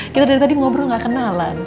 kita dari tadi ngobrol gak kenalan